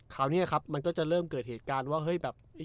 คราวนี้ครับมันก็จะเริ่มเกิดเหตุการณ์ว่าเฮ้ยแบบ